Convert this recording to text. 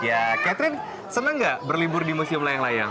ya catherine senang gak berlibur di museum layang layang